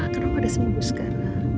karena aku ada sembuh sekarang